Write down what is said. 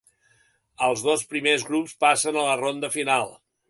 Els dos primers grups passen a la ronda final.